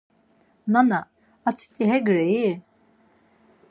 Nana, atziti ek rei?